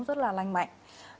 rất là lành mạnh